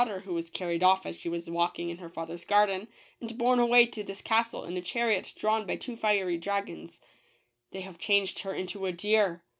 Amongst the rest there is a duke's daughter who was carried off as she was walking in her father's garden, and borne away to this castle in a chariot drawn by two fiery dragons. They have changed her into a deer.